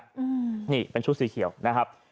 อืมนี่เป็นชุดสีเขียวนะครับ